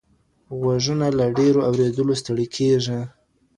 غوږونه له ډیرو اوریدلو ستړي کیږي.